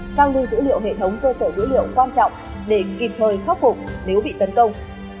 sao lưu dữ liệu hệ thống cơ sở dữ liệu quan trọng để kịp thời khắc phục nếu bị tấn công